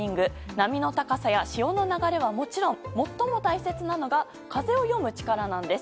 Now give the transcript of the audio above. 波の高さや潮の流れはもちろん最も大切なのが風を読む力なんです。